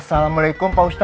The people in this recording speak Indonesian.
assalamualaikum pak ustadz